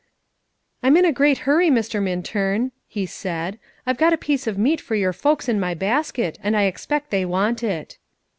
"I'm in a great hurry, Mr. Minturn," he said; "I've got a piece of meat for your folks in my basket, and I expect they want it."